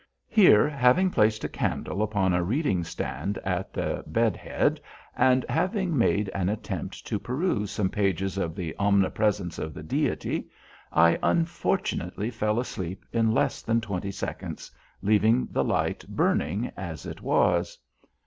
Here, having placed a candle upon a reading stand at the bed head, and having made an attempt to peruse some pages of the Omnipresence of the Deity, I unfortunately fell asleep in less than twenty seconds, leaving the light burning as it was.